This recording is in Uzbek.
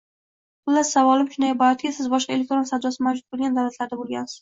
Xullas, savolim shundan iboratki, siz boshqa elektron savdosi mavjud boʻlgan davlatlarda boʻlgansiz.